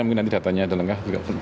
mungkin nanti datanya ada lengkap juga